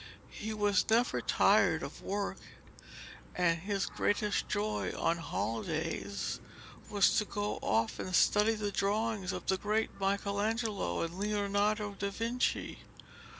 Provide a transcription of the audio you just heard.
He was never tired of work, and his greatest joy on holidays was to go of and study the drawings of the great Michelangelo and Leonardo da Vinci.